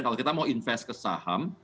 kalau kita mau invest ke saham